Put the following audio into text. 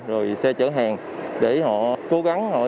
rồi xe chở hàng để họ cố gắng họ giữ mình trong cái lúc mà mình đi đi